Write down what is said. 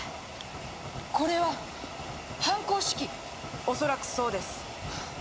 これは犯行手記恐らくそうです「